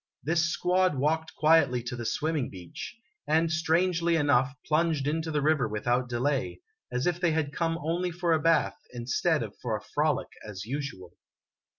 This squad walked quietly to the swimming beach, and, strangely enough, plunged into the river without delay, as if they had come only for a bath, instead of for a frolic as usual.